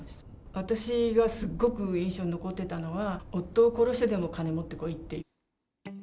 私がすっごく印象に残っていたのは、夫を殺してでも金持ってこいって。